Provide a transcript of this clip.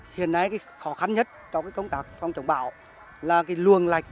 hiện nay cái khó khăn nhất trong cái công tác phong trọng bão là cái luồn lạch